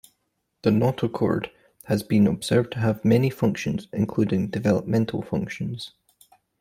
The notochord has been observed to have many functions including developmental functions.